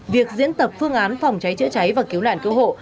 việc diễn tập phương án phòng cháy chữa cháy và cứu nạn cứu hộ